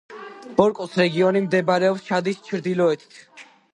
ბორკუს რეგიონი მდებარეობს ჩადის ჩრდილოეთით.